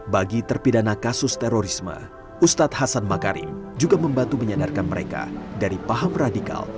bagi terpidana kasus terorisme ustadz hasan makarim juga membantu menyadarkan mereka dari paham radikal